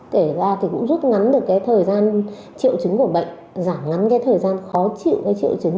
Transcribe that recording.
kể ra cũng giúp ngắn được thời gian triệu chứng của bệnh giảm ngắn thời gian khó chịu triệu chứng